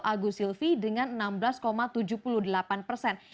agus silvi dengan enam belas tujuh puluh delapan persen